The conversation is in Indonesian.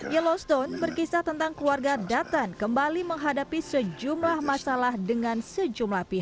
yellowstone berkisah tentang keluarga dutton kembali menghadapi sejumlah masalah dengan sejumlah pihak